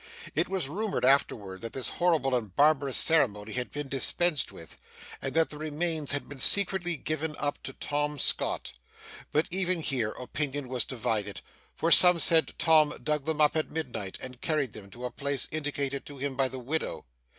It was rumoured afterwards that this horrible and barbarous ceremony had been dispensed with, and that the remains had been secretly given up to Tom Scott. But even here, opinion was divided; for some said Tom dug them up at midnight, and carried them to a place indicated to him by the widow.